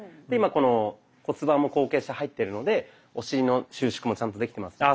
で今この骨盤も後傾して入ってるのでお尻の収縮もちゃんとできてます。